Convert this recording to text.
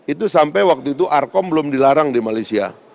itu sampai waktu itu arkom belum dilarang di malaysia